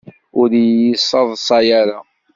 Ur yi-ssaḍsay ara!